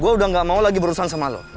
gua udah gak mau lagi berurusan sama lu